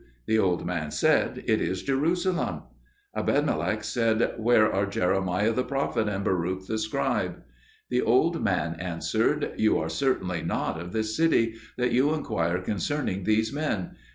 The old man said, "It is Jerusalem." Ebedmelech said, "Where are Jeremiah the prophet and Baruch the scribe?" The old man answered, "You are certainly not of this city, that you inquire concerning these men.